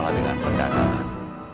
yang ini gak temen temen